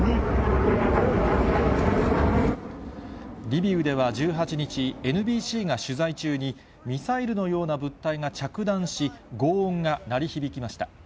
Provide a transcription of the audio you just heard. リビウでは１８日、ＮＢＣが取材中に、ミサイルのような物体が着弾し、ごう音が鳴り響きました。